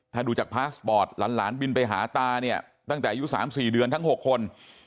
ถ้าดูจากพาสปอร์ตหลานบินไปหาตาเนี่ยตั้งแต่อายุ๓๔เดือนทั้ง๖คน